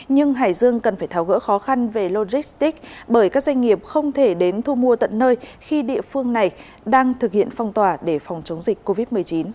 nhưng hải dương cần phải tháo gỡ khó khăn về logistics bởi các doanh nghiệp không thể đến thu mua tận nơi khi địa phương này đang thực hiện phong tỏa để phòng chống dịch covid một mươi chín